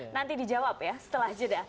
nanti dijawab ya setelah jeda